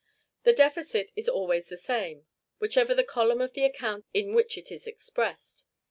The deficit is always the same, whichever the column of the account in which it is expressed.